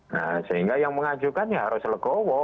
nah sehingga yang mengajukan ya harus legowo